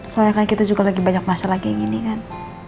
soalnya kan kita juga lagi banyak masalah kayak gini kan